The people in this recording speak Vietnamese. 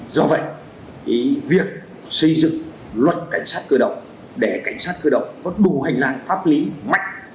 do vậy việc xây dựng luật cảnh sát cơ động để cảnh sát cơ động có đủ hành lang pháp lý mạnh